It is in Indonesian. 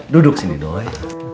duduk sini doi